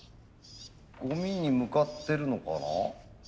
ゴミに向かってるのかな？